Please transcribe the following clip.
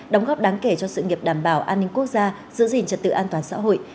đóng góp đáng kể cho sự nghiệp đảm bảo an ninh quốc gia giữ gìn trật tự an toàn xã hội